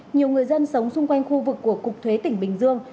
nhiều người dân sống xung quanh khu vực của cục thuế tỉnh bình dương